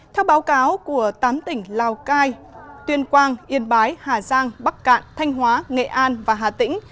theo báo cáo của tám tỉnh lào cai tuyên quang yên bái hà giang bắc cạn thanh hóa nghệ an và hà tĩnh